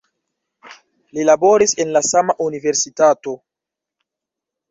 Li laboris en la sama universitato.